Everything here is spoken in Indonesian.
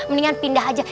mendingan pindah aja